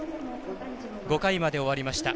５回まで終わりました。